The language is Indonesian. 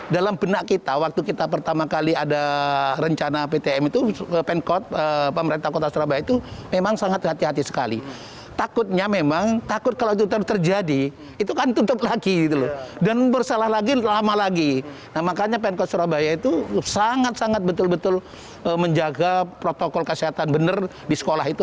di surabaya itu sangat sangat betul betul menjaga protokol kesehatan benar di sekolah itu